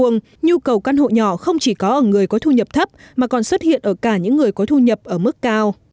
nhu cầu căn hộ nhỏ không chỉ có ở người có thu nhập thấp mà còn xuất hiện ở cả những người có thu nhập ở mức cao